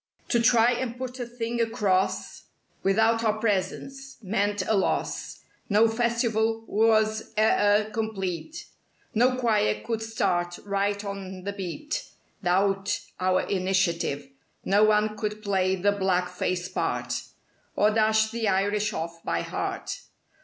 To try and "put a thing across" Without our presence, meant a loss. No festival was e'er complete; No choir could start, right on the beat 'Thout our initiative; No one could play the black face part. Or dash the Irish off by heart.